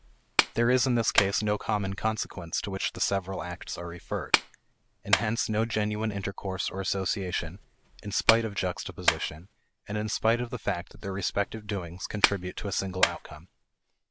There is, in this case, no common consequence to which the several acts are referred, and hence no genuine intercourse or association, in spite of juxtaposition, and in spite of the fact that their respective doings contribute to a single outcome.